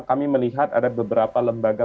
kami melihat ada beberapa lembaga